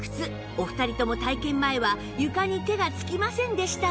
お二人とも体験前は床に手がつきませんでしたが